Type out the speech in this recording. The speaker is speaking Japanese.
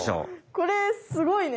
これすごいね！